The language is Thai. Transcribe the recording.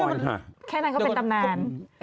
แค่นั้นเขาเป็นตำรรวจ